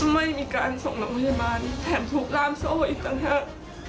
ไม่มีการส่งโรงพยาบาลแถมถูกล่ามโซ่อีกต่างหาก